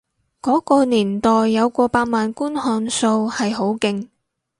嗰個年代有過百萬觀看數係好勁